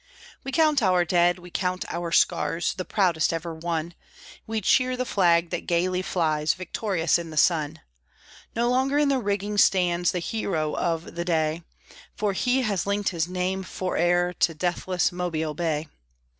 We count our dead, we count our scars, The proudest ever won; We cheer the flag that gayly flies Victorious in the sun. No longer in the rigging stands The hero of the day, For he has linked his name fore'er To deathless Mobile Bay.